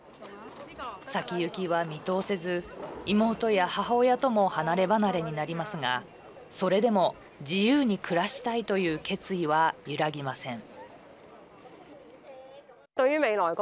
先行きは見通せず妹や母親とも離れ離れになりますがそれでも自由に暮らしたいという決意は揺らぎません。